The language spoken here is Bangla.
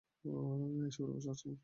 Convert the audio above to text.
এসবের অভ্যাস আছে আমার।